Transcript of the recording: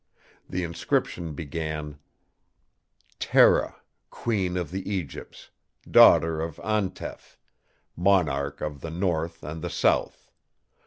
The inscription began: "'Tera, Queen of the Egypts, daughter of Antef, Monarch of the North and the South.